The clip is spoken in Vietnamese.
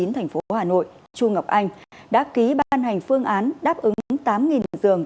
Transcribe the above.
tp hcm trung ngọc anh đã ký ban hành phương án đáp ứng tám dường